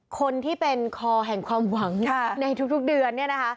คนที่เป็นคอแห่งความหวังในทุกเดือน